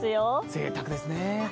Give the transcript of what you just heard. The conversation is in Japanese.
ぜいたくですね。